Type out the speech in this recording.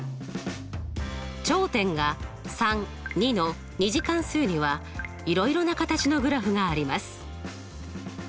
頂点がの２次関数にはいろいろな形のグラフがあります。